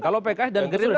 kalau pks dan gerinda jelas